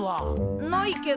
ないけど。